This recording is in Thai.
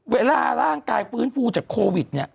เวลาร่างกายฟื้นฟูจากโควิดเนี่ย